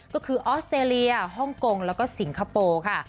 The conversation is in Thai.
ก็คือออสเตรเลียฮ่องกงแล้วก็สิงคโปร์ค่ะ